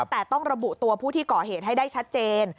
แต่ต้องระบุตัวผู้ที่ก่อเหตุให้ได้ชัดเจน